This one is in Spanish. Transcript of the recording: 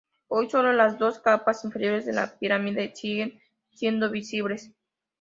Hoy, solo las dos capas inferiores de la pirámide siguen siendo visibles.